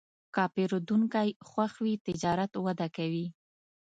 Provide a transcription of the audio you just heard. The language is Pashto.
که پیرودونکی خوښ وي، تجارت وده کوي.